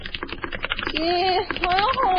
辛菲罗波尔国际机场。